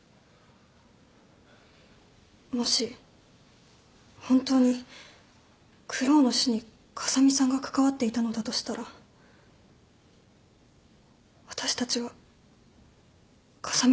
もし本当にクロウの死に風見さんが関わっていたのだとしたら私たちは風見さんに守られていたのかも。